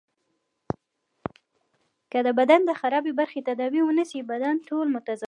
که د بدن د خرابي برخی تداوي ونه سي بدن ټول متضرر کوي.